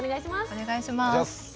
お願いします。